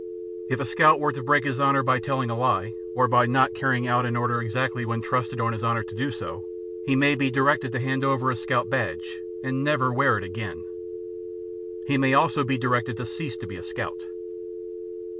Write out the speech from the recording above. If a scout were to break his honor by telling a lie, or by not carrying out an order exactly when trusted on his honor to do so, he may be directed to hand over his scout badge, and never to wear it again. He may also be directed to cease to be a scout.